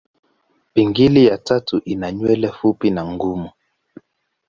Pingili ya tatu ina nywele fupi na ngumu.